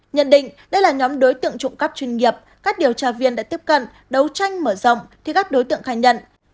nhận định đây là nhóm đối tượng trộm cắp chuyên nghiệp các điều tra viên đã tiếp cận đấu tranh mở rộng thì các đối tượng khai nhận